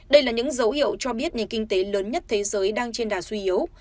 đây là những dấu hiệu cho biết nền kinh tế lớn nhất thế giới đang trên đà suy yếu